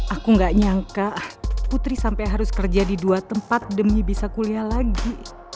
aku gak nyangka ah putri sampai harus kerja di dua tempat demi bisa kuliah lagi